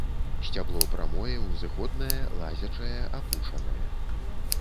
Сцябло прамое, узыходнае, лазячае, апушанае.